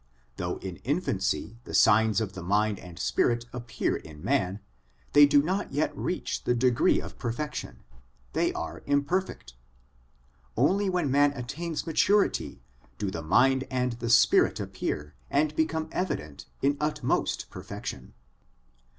Though in infancy the signs of the mind and spirit appear in man, they do not reach the degree of perfection ; they are imperfect. Only when man attains maturity do the mind and the spirit appear and become evident in utmost perfection.